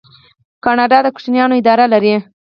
کاناډا د ماشومانو اداره لري.